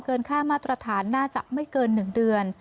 ค่ามาตรฐานน่าจะไม่เกิน๑เดือน